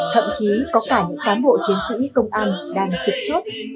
thậm chí có cả những cán bộ chiến sĩ công an đang trực chốt